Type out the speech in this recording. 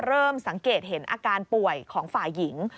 เริ่มสังเกตเห็นอาการป่วยของฝ่ายหญิง